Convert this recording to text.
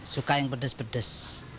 suka yang pedes pedes